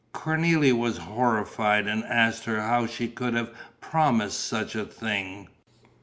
Cornélie was horrified and asked her how she could have promised such a thing.